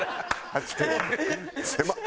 狭っ！